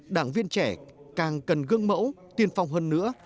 đảng viên trẻ càng cần gương mẫu tiên phong hơn nữa